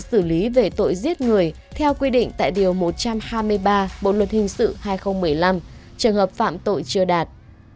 tài xế này cũng có thể bị xử lý về tội giết người theo quy định tại điều một trăm hai mươi ba bộ luật hình sự hai nghìn một mươi năm trường hợp phạm tội chưa đạt